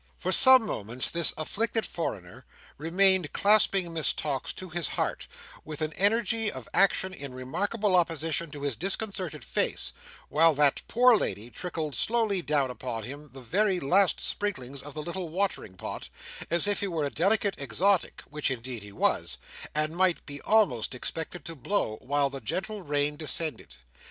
For some moments, this afflicted foreigner remained clasping Miss Tox to his heart, with an energy of action in remarkable opposition to his disconcerted face, while that poor lady trickled slowly down upon him the very last sprinklings of the little watering pot, as if he were a delicate exotic (which indeed he was), and might be almost expected to blow while the gentle rain descended.